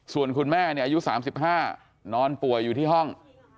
ส่วนคุณแม่อายุ๓๕นอนป่วยอยู่ที่ห้อง